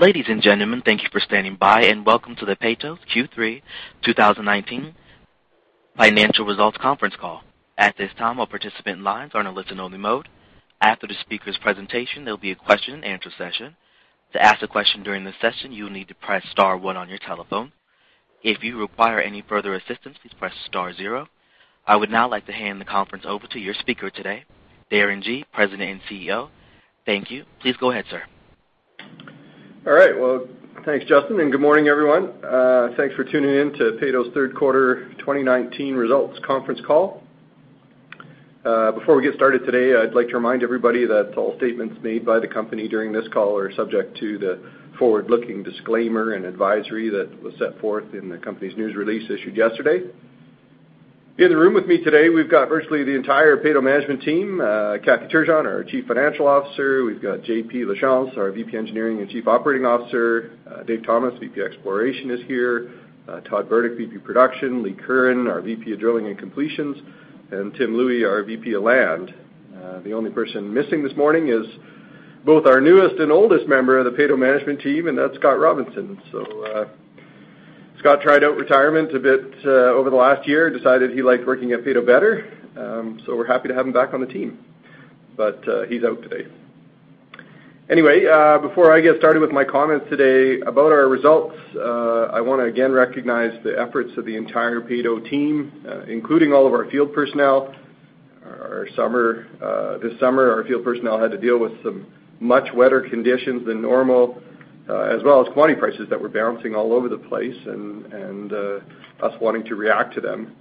Ladies and gentlemen, thank you for standing by, and welcome to the Peyto Q3 2019 financial results conference call. At this time, all participant lines are in a listen-only mode. After the speaker's presentation, there'll be a question-and-answer session. To ask a question during the session, you will need to press star one on your telephone. If you require any further assistance, please press star zero. I would now like to hand the conference over to your speaker today, Darren Gee, President and CEO. Thank you. Please go ahead, sir. All right. Well, thanks, Justin. Good morning, everyone. Thanks for tuning in to Peyto's third quarter 2019 results conference call. Before we get started today, I'd like to remind everybody that all statements made by the company during this call are subject to the forward-looking disclaimer and advisory that was set forth in the company's news release issued yesterday. In the room with me today, we've got virtually the entire Peyto management team, Kathy Turgeon, our Chief Financial Officer. We've got Jean-Paul Lachance, our VP Engineering and Chief Operating Officer. Dave Thomas, VP Exploration is here. Todd Burdick, VP Production, Lee Curran, our VP of Drilling and Completions, and Tim Louie, our VP of Land. The only person missing this morning is both our newest and oldest member of the Peyto management team, that's Scott Robinson. Scott tried out retirement a bit over the last year, decided he liked working at Peyto better, so we're happy to have him back on the team, but he's out today. Anyway, before I get started with my comments today about our results, I want to again recognize the efforts of the entire Peyto team, including all of our field personnel. This summer, our field personnel had to deal with some much wetter conditions than normal, as well as commodity prices that were bouncing all over the place and us wanting to react to them.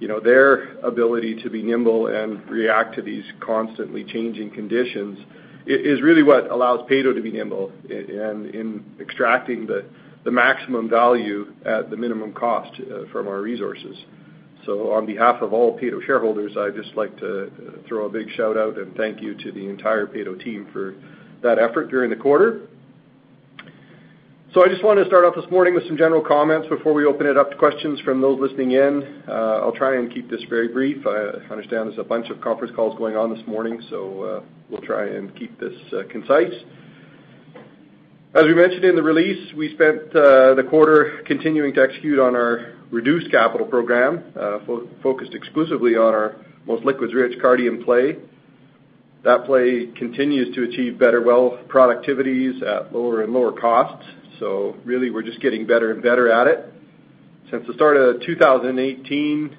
Their ability to be nimble and react to these constantly changing conditions is really what allows Peyto to be nimble in extracting the maximum value at the minimum cost from our resources. On behalf of all Peyto shareholders, I'd just like to throw a big shout-out and thank you to the entire Peyto team for that effort during the quarter. I just want to start off this morning with some general comments before we open it up to questions from those listening in. I'll try and keep this very brief. I understand there's a bunch of conference calls going on this morning, so we'll try and keep this concise. As we mentioned in the release, we spent the quarter continuing to execute on our reduced capital program, focused exclusively on our most liquids-rich Cardium play. That play continues to achieve better well productivities at lower and lower costs. Really, we're just getting better and better at it. Since the start of 2018,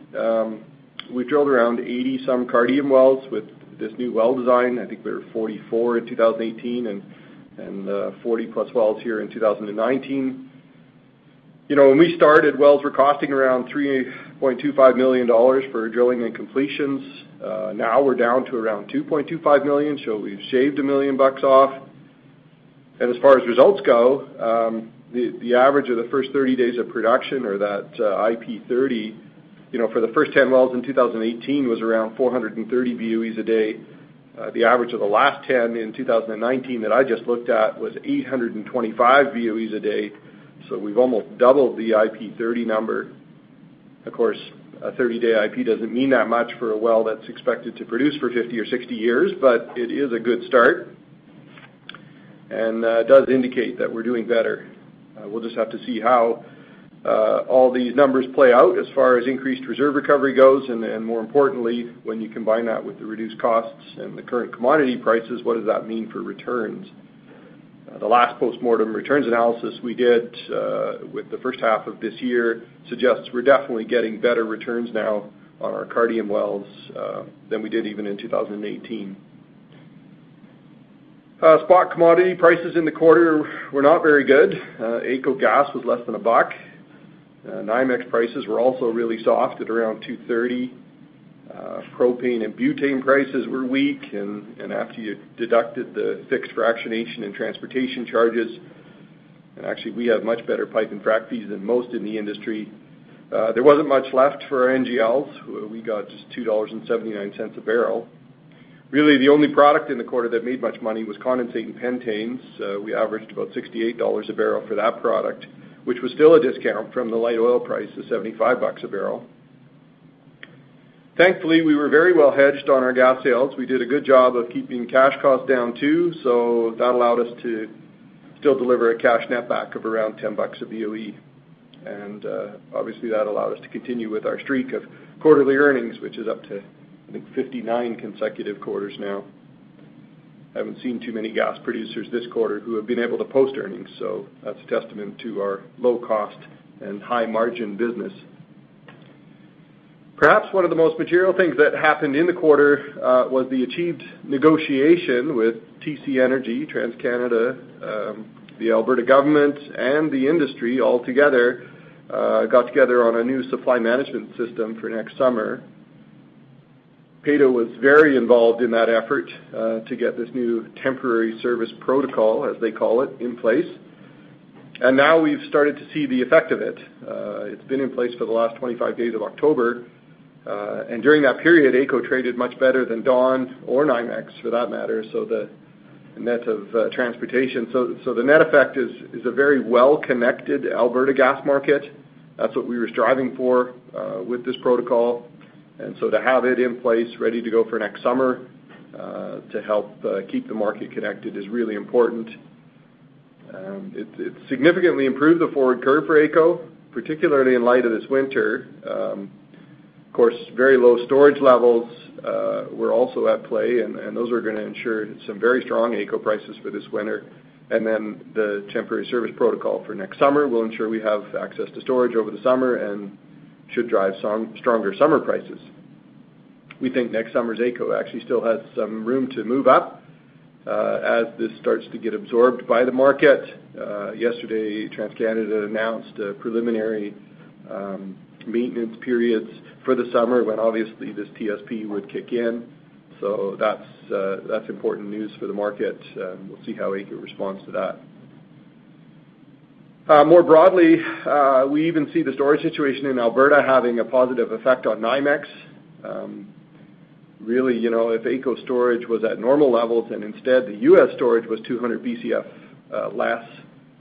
we've drilled around 80-some Cardium wells with this new well design. I think we were 44 in 2018 and 40+ wells here in 2019. When we started, wells were costing around 3.25 million dollars for drilling and completions. Now we're down to around 2.25 million. We've shaved 1 million bucks off. As far as results go, the average of the first 30 days of production or that IP30 for the first 10 wells in 2018 was around 430 BOEs a day. The average of the last 10 in 2019 that I just looked at was 825 BOEs a day. We've almost doubled the IP30 number. Of course, a 30-day IP doesn't mean that much for a well that's expected to produce for 50 or 60 years, it is a good start and does indicate that we're doing better. We'll just have to see how all these numbers play out as far as increased reserve recovery goes, and more importantly, when you combine that with the reduced costs and the current commodity prices, what does that mean for returns? The last postmortem returns analysis we did with the first half of this year suggests we're definitely getting better returns now on our Cardium wells than we did even in 2018. Spot commodity prices in the quarter were not very good. AECO Gas was less than CAD 1. NYMEX prices were also really soft at around 2.30. propane and butane prices were weak. After you deducted the fixed fractionation and transportation charges, and actually, we have much better pipe and frac fees than most in the industry, there wasn't much left for NGLs. We got just 2.79 dollars a barrel. Really, the only product in the quarter that made much money was condensate and pentanes. We averaged about 68 dollars a barrel for that product, which was still a discount from the light oil price of 75 bucks a barrel. Thankfully, we were very well hedged on our gas sales. We did a good job of keeping cash costs down, too, so that allowed us to still deliver a cash netback of around 10 bucks a BOE. Obviously, that allowed us to continue with our streak of quarterly earnings, which is up to, I think, 59 consecutive quarters now. I haven't seen too many gas producers this quarter who have been able to post earnings, so that's a testament to our low-cost and high-margin business. Perhaps one of the most material things that happened in the quarter was the achieved negotiation with TC Energy, TransCanada, the Alberta government, and the industry all together got together on a new supply management system for next summer. Peyto was very involved in that effort to get this new temporary service protocol, as they call it, in place. Now we've started to see the effect of it. It's been in place for the last 25 days of October. During that period, AECO traded much better than Dawn or NYMEX for that matter, the net of transportation. The net effect is a very well-connected Alberta gas market. That's what we were striving for with this protocol. To have it in place ready to go for next summer, to help keep the market connected is really important. It significantly improved the forward curve for AECO, particularly in light of this winter. Of course, very low storage levels were also at play, and those are going to ensure some very strong AECO prices for this winter. The temporary service protocol for next summer will ensure we have access to storage over the summer and should drive stronger summer prices. We think next summer's AECO actually still has some room to move up, as this starts to get absorbed by the market. Yesterday, TransCanada announced preliminary maintenance periods for the summer when obviously this TSP would kick in. That's important news for the market, and we'll see how AECO responds to that. More broadly, we even see the storage situation in Alberta having a positive effect on NYMEX. If AECO storage was at normal levels and instead the U.S. storage was 200 Bcf less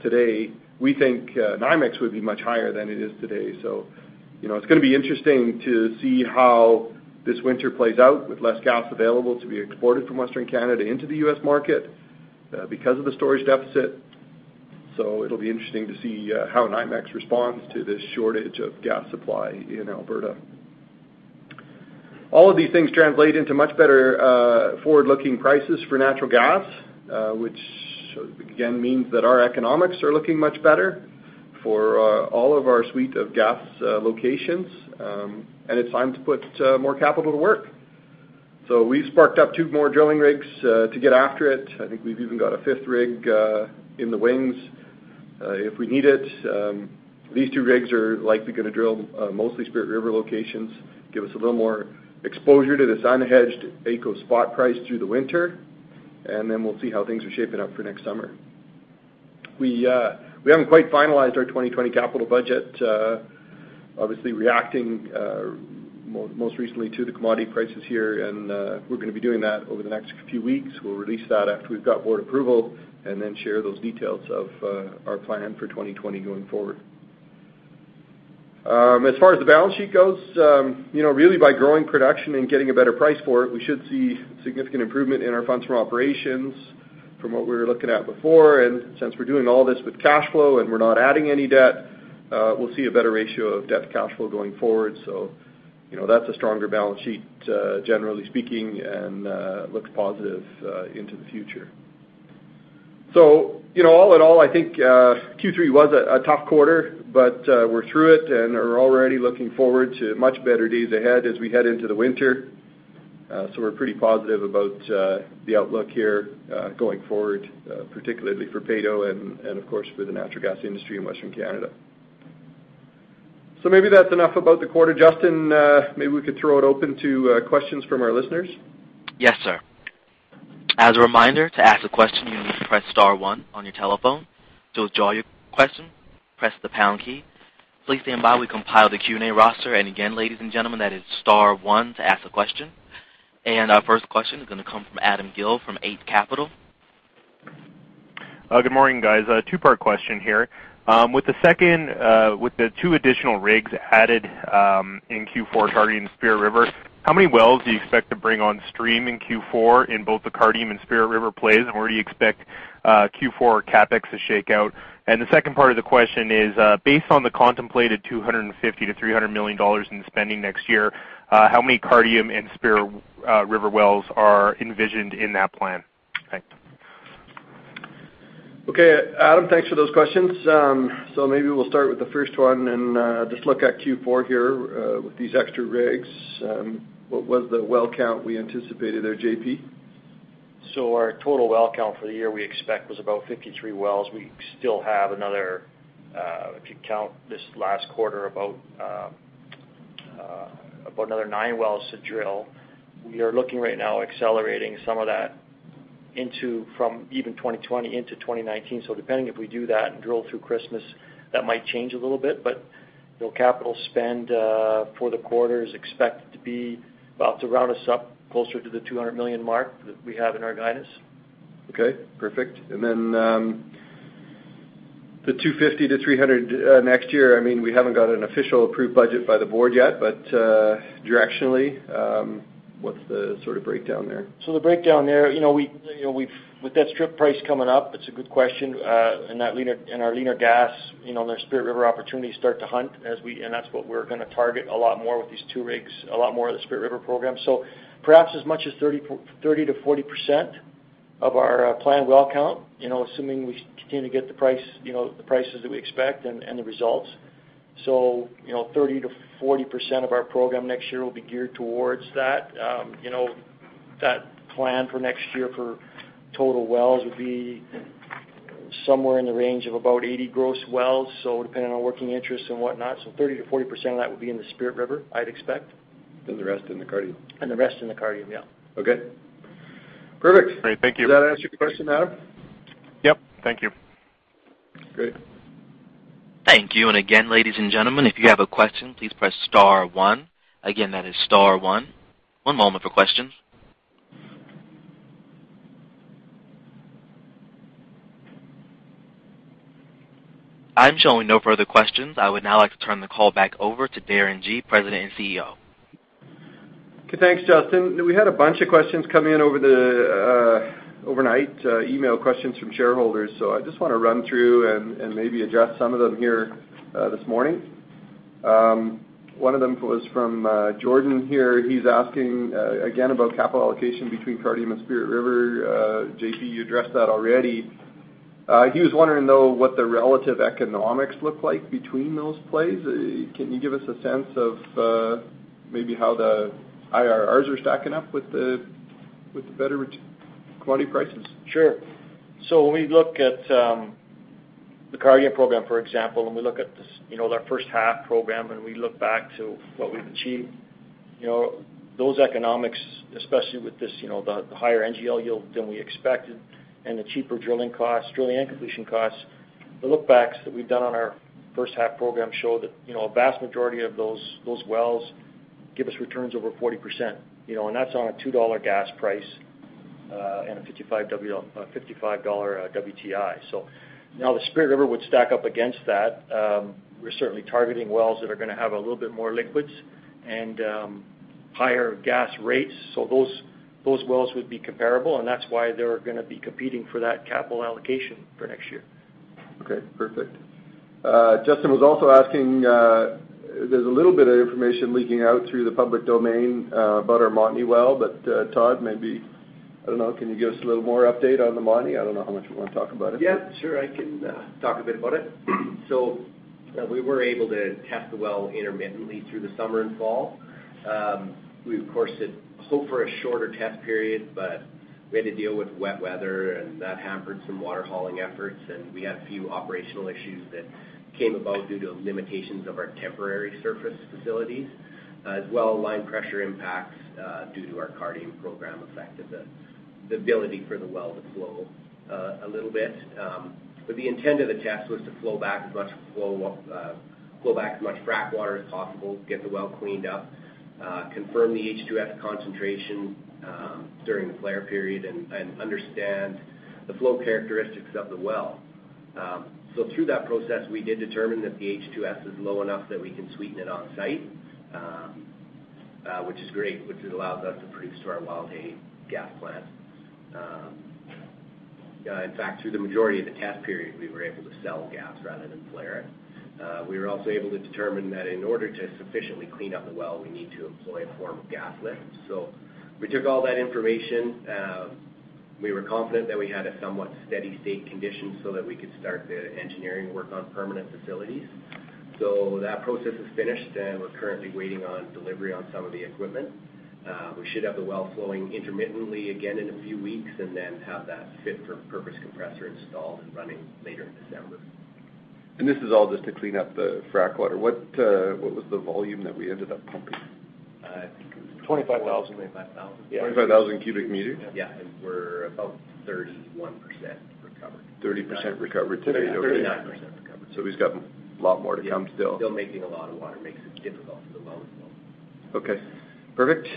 today, we think NYMEX would be much higher than it is today. It's going to be interesting to see how this winter plays out with less gas available to be exported from Western Canada into the U.S. market because of the storage deficit. It'll be interesting to see how NYMEX responds to this shortage of gas supply in Alberta. All of these things translate into much better forward-looking prices for natural gas, which again means that our economics are looking much better for all of our suite of gas locations. It's time to put more capital to work. We've sparked up two more drilling rigs to get after it. I think we've even got a fifth rig in the wings if we need it. These two rigs are likely going to drill mostly Spirit River locations, give us a little more exposure to this unhedged AECO spot price through the winter, and then we'll see how things are shaping up for next summer. We haven't quite finalized our 2020 capital budget, obviously reacting most recently to the commodity prices here, and we're going to be doing that over the next few weeks. We'll release that after we've got board approval and then share those details of our plan for 2020 going forward. As far as the balance sheet goes, really by growing production and getting a better price for it, we should see significant improvement in our funds from operations from what we were looking at before. Since we're doing all this with cash flow and we're not adding any debt, we'll see a better ratio of debt to cash flow going forward. That's a stronger balance sheet, generally speaking, and looks positive into the future. All in all, I think Q3 was a tough quarter, but we're through it, and are already looking forward to much better days ahead as we head into the winter. We're pretty positive about the outlook here going forward, particularly for Peyto and of course for the natural gas industry in Western Canada. Maybe that's enough about the quarter. Justin, maybe we could throw it open to questions from our listeners. Yes, sir. As a reminder, to ask a question, you need to press star one on your telephone. To withdraw your question, press the pound key. Please stand by. We compile the Q&A roster. Again, ladies and gentlemen, that is star one to ask a question. Our first question is going to come from Adam Gill from Eight Capital. Good morning, guys. A two-part question here. With the two additional rigs added in Q4 targeting Spirit River, how many wells do you expect to bring on stream in Q4 in both the Cardium and Spirit River plays? Where do you expect Q4 CapEx to shake out? The second part of the question is, based on the contemplated 250 million-300 million dollars in spending next year, how many Cardium and Spirit River wells are envisioned in that plan? Thanks. Okay, Adam, thanks for those questions. Maybe we'll start with the first one and just look at Q4 here with these extra rigs. What was the well count we anticipated there, JP? Our total well count for the year we expect was about 53 wells. We still have another, if you count this last quarter, about another nine wells to drill. We are looking right now at accelerating some of that from even 2020 into 2019. Depending if we do that and drill through Christmas, that might change a little bit. Capital spend for the quarter is expected to be about to round us up closer to the 200 million mark that we have in our guidance. Okay, perfect. The 250-300 next year, we haven't got an official approved budget by the Board yet, but directionally, what's the sort of breakdown there? The breakdown there, with that strip price coming up, it's a good question, and our leaner gas, and our Spirit River opportunities start to hunt, and that's what we're going to target a lot more with these two rigs, a lot more of the Spirit River program. Perhaps as much as 30%-40% of our planned well count, assuming we continue to get the prices that we expect and the results. 30%-40% of our program next year will be geared towards that. That plan for next year for total wells would be somewhere in the range of about 80 gross wells, so depending on working interest and whatnot. 30%-40% of that will be in the Spirit River, I'd expect. The rest in the Cardium. The rest in the Cardium, yeah. Okay. Perfect. Great. Thank you. Does that answer your question, Adam? Yep. Thank you. Great. Thank you. Again, ladies and gentlemen, if you have a question, please press star one. Again, that is star one. One moment for questions. I'm showing no further questions. I would now like to turn the call back over to Darren Gee, President and CEO. Okay, thanks, Justin. We had a bunch of questions come in overnight, email questions from shareholders. I just want to run through and maybe address some of them here this morning. One of them was from Jordan here. He's asking again about capital allocation between Cardium and Spirit River. JP, you addressed that already. He was wondering, though, what the relative economics look like between those plays. Can you give us a sense of maybe how the IRRs are stacking up with the better commodity prices? Sure. When we look at the Cardium program, for example, and we look at our first half program, and we look back to what we've achieved, those economics, especially with the higher NGL yield than we expected and the cheaper drilling costs, drilling and completion costs, the look backs that we've done on our first half program show that a vast majority of those wells give us returns over 40%. That's on a 2 dollar gas price, and a 55 dollar WTI. Now the Spirit River would stack up against that. We're certainly targeting wells that are going to have a little bit more liquids and higher gas rates. Those wells would be comparable, and that's why they're going to be competing for that capital allocation for next year. Okay, perfect. Justin was also asking, there's a little bit of information leaking out through the public domain about our Montney well, but Todd, maybe, I don't know, can you give us a little more update on the Montney? I don't know how much we want to talk about it. Yeah, sure. I can talk a bit about it. We were able to test the well intermittently through the summer and fall. We of course, had hoped for a shorter test period, we had to deal with wet weather, and that hampered some water hauling efforts, and we had a few operational issues that came about due to limitations of our temporary surface facilities. As well, line pressure impacts due to our Cardium program affected the ability for the well to flow a little bit. The intent of the test was to flow back as much frack water as possible, get the well cleaned up, confirm the H2S concentration during the flare period, and understand the flow characteristics of the well. Through that process, we did determine that the H2S is low enough that we can sweeten it on site, which is great, which allows us to produce to our Wildhay gas plant. In fact, through the majority of the test period, we were able to sell gas rather than flare it. We were also able to determine that in order to sufficiently clean up the well, we need to employ a form of gas lift. We took all that information. We were confident that we had a somewhat steady state condition so that we could start the engineering work on permanent facilities. That process is finished, and we're currently waiting on delivery on some of the equipment. We should have the well flowing intermittently again in a few weeks, and then have that fit-for-purpose compressor installed and running later in December. This is all just to clean up the frack water. What was the volume that we ended up pumping? 25,000. 25,000. 25,000 cubic meters? Yeah. We're about 31% recovered. 30% recovered. 39% recovered. We've got a lot more to come still. Still making a lot of water. Makes it difficult for the well flow. Okay, perfect.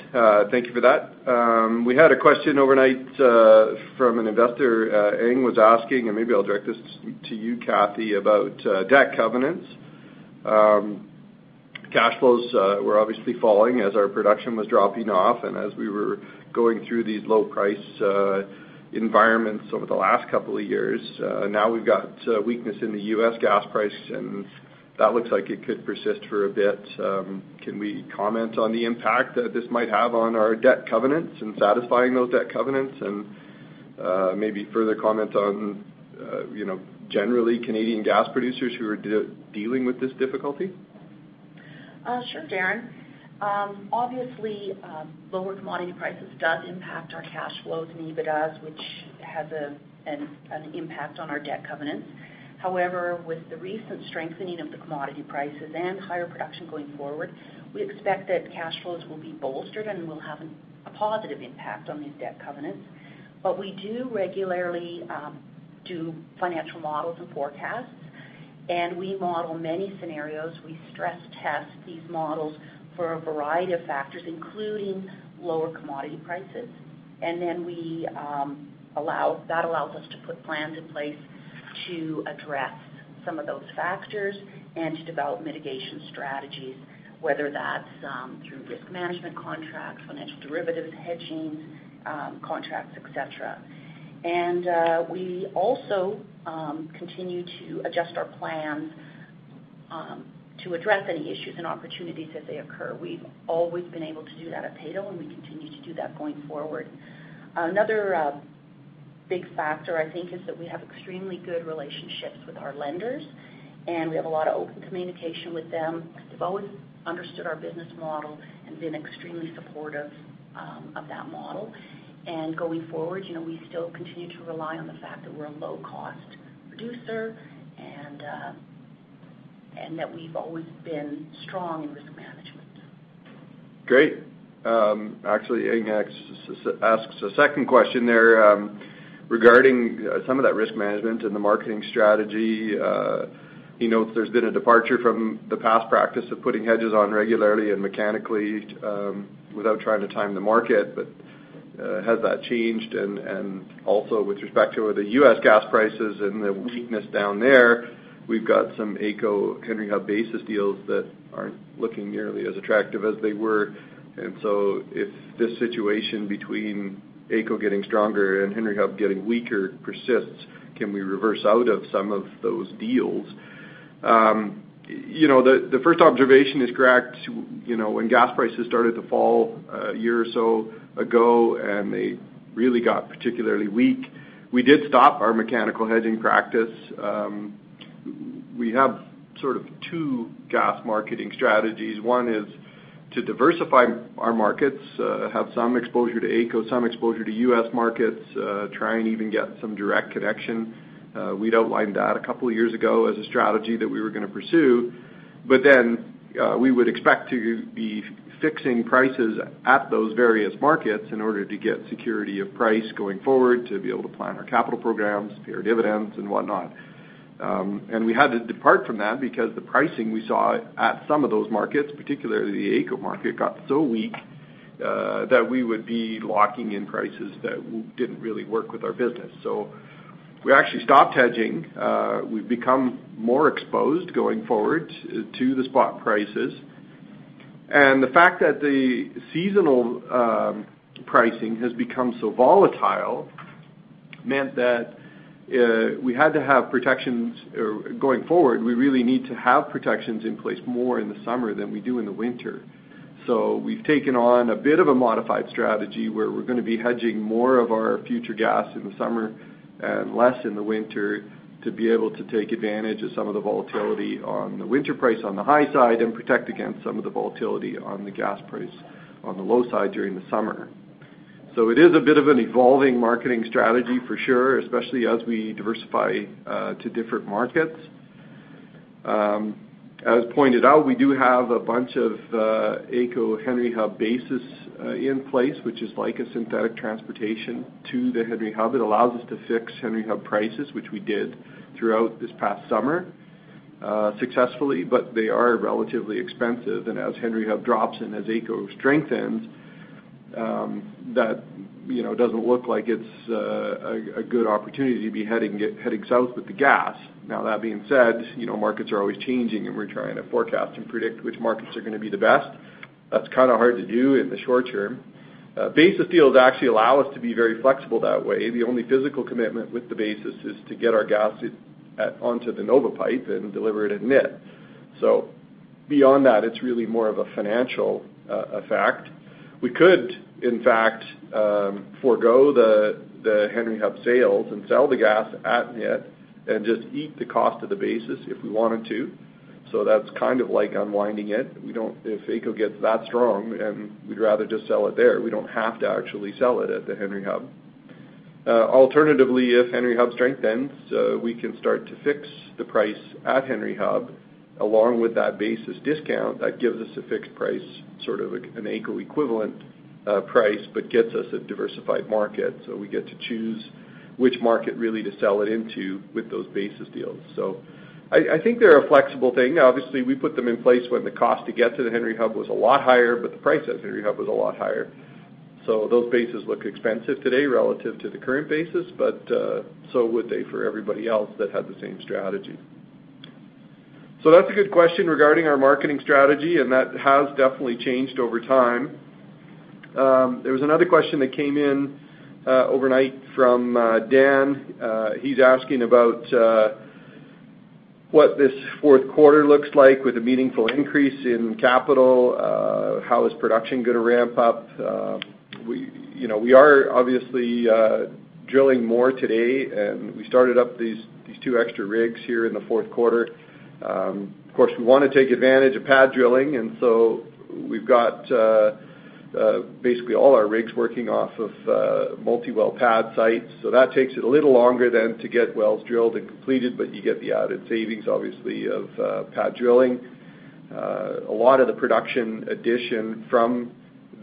Thank you for that. We had a question overnight from an investor. Ang was asking, maybe I'll direct this to you, Kathy, about debt covenants. Cash flows were obviously falling as our production was dropping off and as we were going through these low-price environments over the last couple of years. Now we've got weakness in the U.S. gas price, and that looks like it could persist for a bit. Can we comment on the impact that this might have on our debt covenants and satisfying those debt covenants, and maybe further comment on generally Canadian gas producers who are dealing with this difficulty? Sure, Darren. Obviously, lower commodity prices does impact our cash flows and EBITDAs, which has an impact on our debt covenants. However, with the recent strengthening of the commodity prices and higher production going forward, we expect that cash flows will be bolstered and will have a positive impact on these debt covenants. We do regularly do financial models and forecasts, and we model many scenarios. We stress test these models for a variety of factors, including lower commodity prices. That allows us to put plans in place to address some of those factors and to develop mitigation strategies, whether that's through risk management contracts, financial derivatives, hedging contracts, et cetera. We also continue to adjust our plans to address any issues and opportunities as they occur. We've always been able to do that at Peyto, and we continue to do that going forward. Another big factor, I think, is that we have extremely good relationships with our lenders, and we have a lot of open communication with them. They've always understood our business model and been extremely supportive of that model. Going forward, we still continue to rely on the fact that we're a low-cost producer, and that we've always been strong in risk management. Great. Actually, Ang asks a second question there regarding some of that risk management and the marketing strategy. He notes there's been a departure from the past practice of putting hedges on regularly and mechanically without trying to time the market. Has that changed? Also with respect to the U.S. gas prices and the weakness down there, we've got some AECO Henry Hub basis deals that aren't looking nearly as attractive as they were. If this situation between AECO getting stronger and Henry Hub getting weaker persists, can we reverse out of some of those deals? The first observation is correct. When gas prices started to fall a year or so ago, and they really got particularly weak, we did stop our mechanical hedging practice. We have sort of two gas marketing strategies. One is to diversify our markets, have some exposure to AECO, some exposure to U.S. markets, try and even get some direct connection. We'd outlined that a couple of years ago as a strategy that we were going to pursue. We would expect to be fixing prices at those various markets in order to get security of price going forward to be able to plan our capital programs, pay our dividends, and whatnot. We had to depart from that because the pricing we saw at some of those markets, particularly the AECO market, got so weak that we would be locking in prices that didn't really work with our business. We actually stopped hedging. We've become more exposed going forward to the spot prices. The fact that the seasonal pricing has become so volatile meant that we had to have protections going forward. We really need to have protections in place more in the summer than we do in the winter. We've taken on a bit of a modified strategy where we're going to be hedging more of our future gas in the summer and less in the winter to be able to take advantage of some of the volatility on the winter price on the high side and protect against some of the volatility on the gas price on the low side during the summer. It is a bit of an evolving marketing strategy for sure, especially as we diversify to different markets. As pointed out, we do have a bunch of AECO Henry Hub basis in place, which is like a synthetic transportation to the Henry Hub. It allows us to fix Henry Hub prices, which we did throughout this past summer successfully. They are relatively expensive. As Henry Hub drops and as AECO strengthens, that doesn't look like it's a good opportunity to be heading south with the gas. That being said, markets are always changing, and we're trying to forecast and predict which markets are going to be the best. That's hard to do in the short term. Basis deals actually allow us to be very flexible that way. The only physical commitment with the basis is to get our gas onto the NOVA pipe and deliver it at NIT. Beyond that, it's really more of a financial effect. We could, in fact, forgo the Henry Hub sales and sell the gas at NIT and just eat the cost of the basis if we wanted to. That's like unwinding it. If AECO gets that strong and we'd rather just sell it there, we don't have to actually sell it at the Henry Hub. Alternatively, if Henry Hub strengthens, we can start to fix the price at Henry Hub along with that basis discount that gives us a fixed price, sort of an AECO equivalent price, but gets us a diversified market. We get to choose which market really to sell it into with those basis deals. I think they're a flexible thing. Obviously, we put them in place when the cost to get to the Henry Hub was a lot higher, but the price at Henry Hub was a lot higher. Those bases look expensive today relative to the current basis, but so would they for everybody else that had the same strategy. That's a good question regarding our marketing strategy, and that has definitely changed over time. There was another question that came in overnight from Dan. He's asking about what this fourth quarter looks like with a meaningful increase in capital. How is production going to ramp up? We are obviously drilling more today, and we started up these two extra rigs here in the fourth quarter. We want to take advantage of pad drilling, we've got basically all our rigs working off of multi-well pad sites. That takes it a little longer than to get wells drilled and completed, but you get the added savings, obviously, of pad drilling. A lot of the production addition from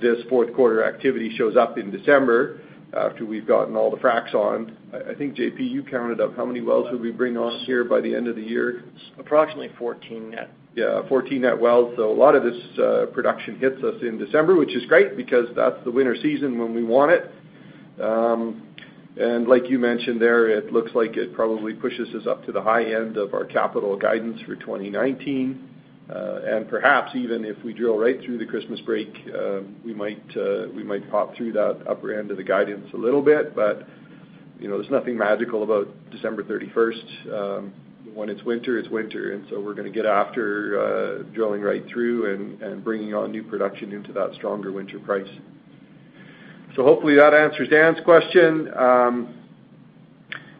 this fourth quarter activity shows up in December after we've gotten all the fracs on. I think, J.P., you counted up how many wells we bring on here by the end of the year. Approximately 14 net. Yeah, 14 net wells. A lot of this production hits us in December, which is great because that's the winter season when we want it. Like you mentioned there, it looks like it probably pushes us up to the high end of our capital guidance for 2019. Perhaps even if we drill right through the Christmas break, we might pop through that upper end of the guidance a little bit. There's nothing magical about December 31st. When it's winter, it's winter, we're going to get after drilling right through and bringing on new production into that stronger winter price. Hopefully that answers Dan's question.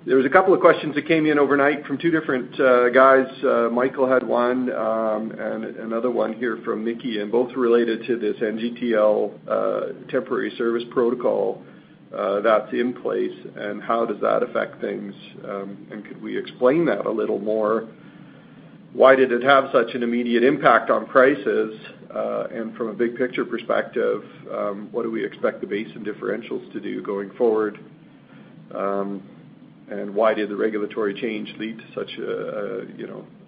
There was a couple of questions that came in overnight from two different guys. Michael had one and another one here from Mickey, and both related to this NGTL temporary service protocol that's in place and how does that affect things, and could we explain that a little more? Why did it have such an immediate impact on prices? From a big picture perspective, what do we expect the basin differentials to do going forward? Why did the regulatory change lead to such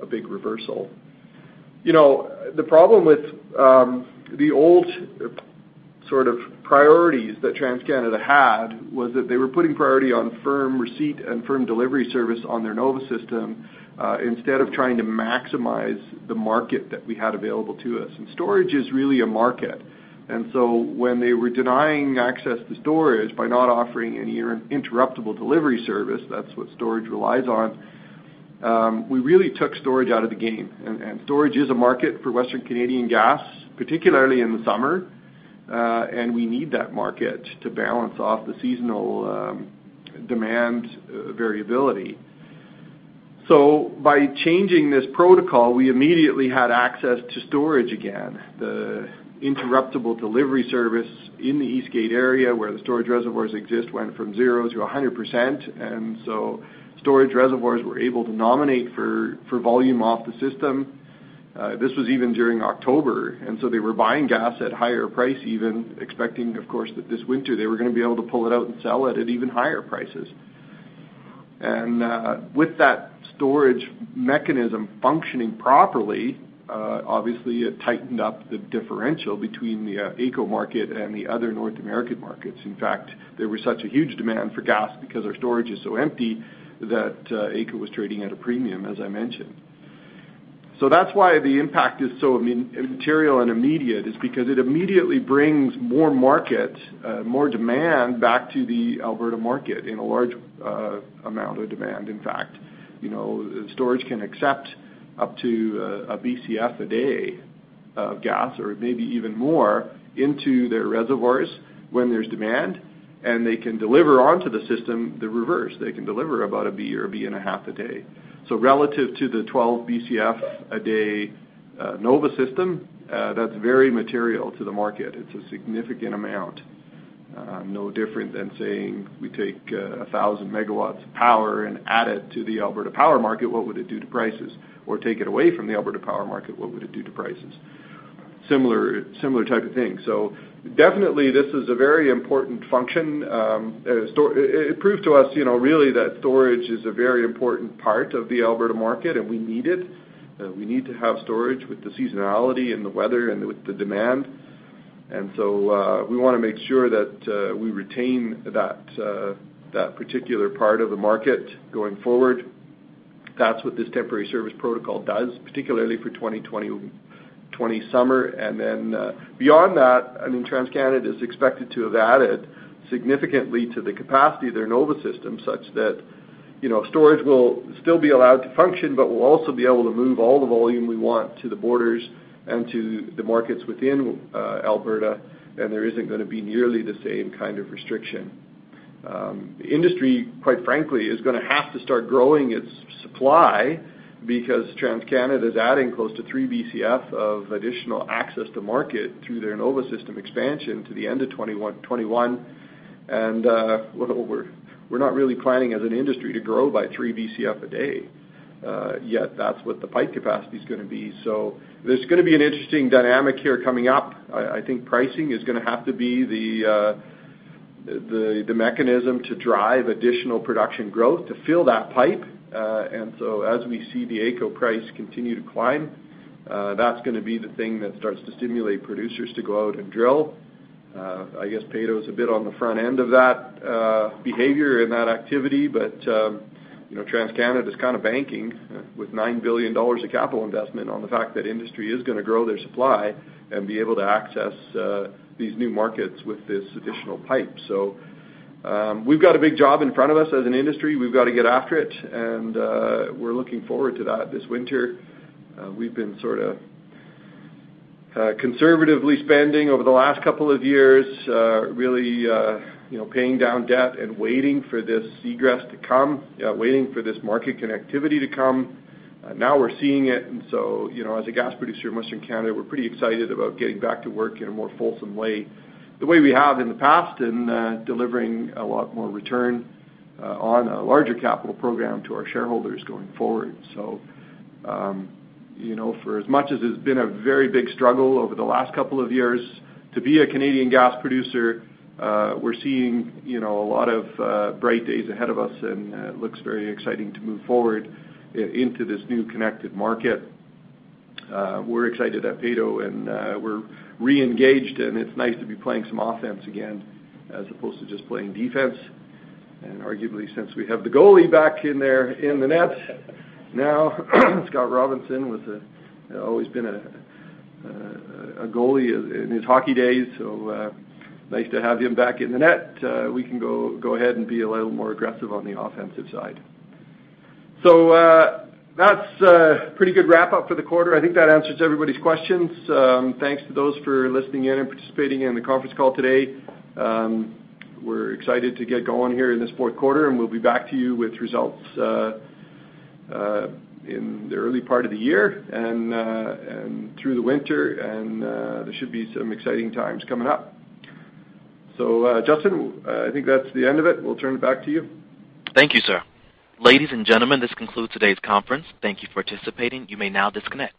a big reversal? The problem with the old sort of priorities that TransCanada had was that they were putting priority on firm receipt and firm delivery service on their NOVA system, instead of trying to maximize the market that we had available to us. Storage is really a market. When they were denying access to storage by not offering any interruptible delivery service, that's what storage relies on, we really took storage out of the game. Storage is a market for Western Canadian gas, particularly in the summer, and we need that market to balance off the seasonal demand variability. By changing this protocol, we immediately had access to storage again. The interruptible delivery service in the East Gate area where the storage reservoirs exist went from 0%-100%. Storage reservoirs were able to nominate for volume off the system. This was even during October. They were buying gas at a higher price even, expecting, of course, that this winter, they were going to be able to pull it out and sell it at even higher prices. With that storage mechanism functioning properly, obviously it tightened up the differential between the AECO market and the other North American markets. In fact, there was such a huge demand for gas because our storage is so empty that AECO was trading at a premium, as I mentioned. That's why the impact is so material and immediate, is because it immediately brings more market, more demand back to the Alberta market in a large amount of demand, in fact. Storage can accept up to one Bcf a day of gas or maybe even more into their reservoirs when there's demand, and they can deliver onto the system the reverse. They can deliver about one B or one and a half B a day. Relative to the 12 Bcf a day NOVA system, that's very material to the market. It's a significant amount. No different than saying we take 1,000 MW of power and add it to the Alberta power market, what would it do to prices? Take it away from the Alberta power market, what would it do to prices? Similar type of thing. Definitely this is a very important function. It proved to us really that storage is a very important part of the Alberta market, and we need it. We need to have storage with the seasonality and the weather and with the demand. We want to make sure that we retain that particular part of the market going forward. That's what this temporary service protocol does, particularly for 2020 summer. Beyond that, TransCanada is expected to have added significantly to the capacity of their NOVA system, such that storage will still be allowed to function, but we'll also be able to move all the volume we want to the borders and to the markets within Alberta, and there isn't going to be nearly the same kind of restriction. Industry, quite frankly, is going to have to start growing its supply because TransCanada is adding close to three Bcf of additional access to market through their NOVA system expansion to the end of 2021. We're not really planning as an industry to grow by three Bcf a day, yet that's what the pipe capacity's going to be. There's going to be an interesting dynamic here coming up. I think pricing is going to have to be the mechanism to drive additional production growth to fill that pipe. As we see the AECO price continue to climb, that's going to be the thing that starts to stimulate producers to go out and drill. I guess Peyto's a bit on the front end of that behavior and that activity, but TransCanada's kind of banking with 9 billion dollars of capital investment on the fact that industry is going to grow their supply and be able to access these new markets with this additional pipe. We've got a big job in front of us as an industry. We've got to get after it, and we're looking forward to that this winter. We've been sort of conservatively spending over the last couple of years, really paying down debt and waiting for this egress to come, waiting for this market connectivity to come. Now we're seeing it, as a gas producer in Western Canada, we're pretty excited about getting back to work in a more fulsome way, the way we have in the past, and delivering a lot more return on a larger capital program to our shareholders going forward. For as much as it's been a very big struggle over the last couple of years to be a Canadian gas producer, we're seeing a lot of bright days ahead of us, and it looks very exciting to move forward into this new connected market. We're excited at Peyto, we're reengaged, and it's nice to be playing some offense again as opposed to just playing defense. Arguably, since we have the goalie back in there in the net now, Scott Robinson was always been a goalie in his hockey days, nice to have him back in the net. We can go ahead and be a little more aggressive on the offensive side. That's a pretty good wrap-up for the quarter. I think that answers everybody's questions. Thanks to those for listening in and participating in the conference call today. We're excited to get going here in this fourth quarter, we'll be back to you with results in the early part of the year and through the winter, there should be some exciting times coming up. Justin, I think that's the end of it. We'll turn it back to you. Thank you, sir. Ladies and gentlemen, this concludes today's conference. Thank you for participating. You may now disconnect.